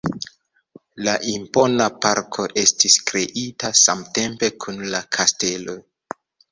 La impona parko estis kreita samtempe kun la kastelo.